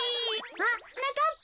あっはなかっぱ！